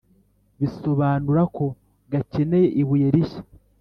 Bisobunura Ko Gakeneye Ibuye Rishya